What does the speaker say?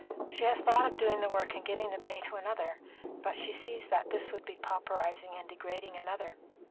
She has thought of doing the work and giving the pay to another; but she sees that this would be pauperising and degrading another.